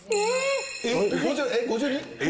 えっ！？